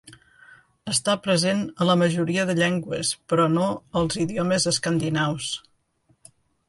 Està present a la majoria de llengües però no als idiomes escandinaus.